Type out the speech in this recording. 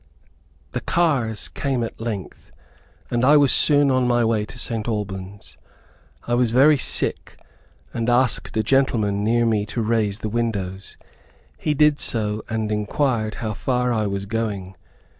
The cars came at length, and I was soon on my way to St. Albans. I was very sick, and asked a gentleman near me to raise the windows. He did so, and inquired how far I was going.